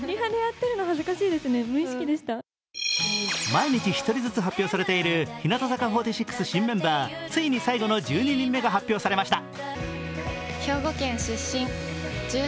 毎日１人ずつ発表されている日向坂４６新メンバー、ついに最後の１２人目が発表されました。